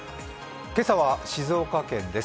今朝は静岡県です。